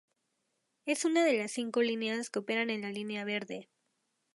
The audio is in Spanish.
Es una de las cinco líneas que operan en la línea Verde.